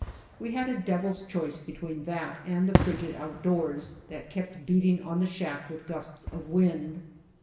We had a devil's choice between that and the frigid outdoors that kept beating on the shack with gusts of wind.